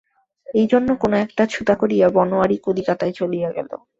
এইজন্য কোনো একটা ছুতা করিয়া বনোয়ারি কলিকাতায় চলিয়া গেল।